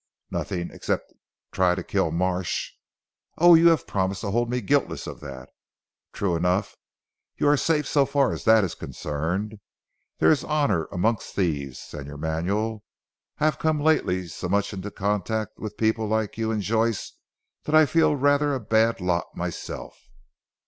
"Nothing, except try to kill Marsh." "Oh! you have promised to hold me guiltless of that." "True enough. You are safe so far as that is concerned. There is honour amongst thieves, Señor Manuel. I have come lately so much into contact with people like you and Joyce, that I feel rather a bad lot myself."